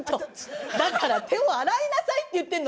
手を洗いなさいって言ってるの！